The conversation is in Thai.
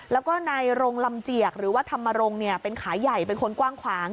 แล้วก็นายรงลำเจียกหรือว่าธรรมรงค์เป็นขาใหญ่เป็นคนกว้างขวาง